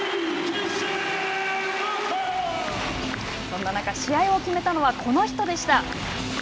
そんな中試合を決めたのはこの人でした。